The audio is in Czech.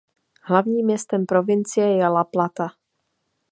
Hlavním městem provincie je La Plata.